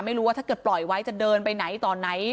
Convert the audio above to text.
ไม่รู้ว่าถ้าเกิดปล่อยไว้จะเดินไปไหนตอนไหน